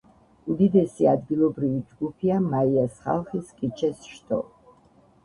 უდიდესი ადგილობრივი ჯგუფია მაიას ხალხის კიჩეს შტო.